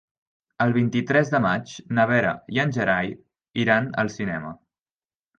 El vint-i-tres de maig na Vera i en Gerai iran al cinema.